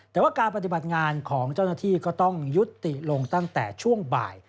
แต่ว่าการปฏิบัติงานของเจ้าหน้าที่ก็ต้องยุติลงตั้งแต่ช่วงบ่าย